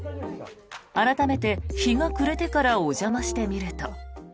改めて日が暮れてからお邪魔してみると。